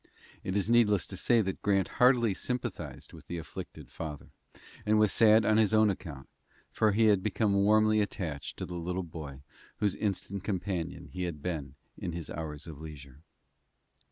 It is needless to say that Grant heartily sympathized with the afflicted father, and was sad on his own account, for he had become warmly attached to the little boy whose instant companion he had been in his hours of leisure.